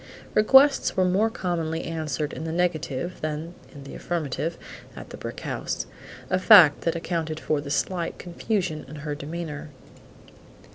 Requests were more commonly answered in the negative than in the affirmative at the brick house, a fact that accounted for the slight confusion in her demeanor.